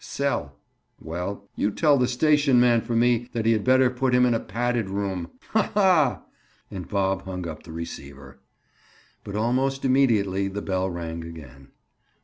"Cell." "Well, you tell the station man for me that he had better put him in a padded room. Ha! ha!" And Bob hung up the receiver. But almost immediately the bell rang again.